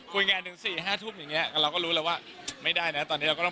การเตรียมตัวคือไม่ให้เครียด